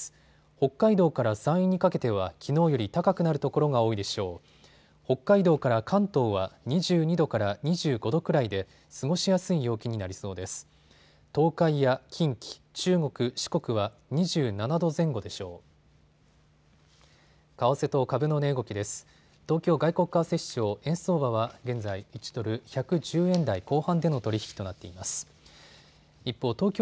北海道から関東は２２度から２５度くらいで過ごしやすい陽気になりそうです。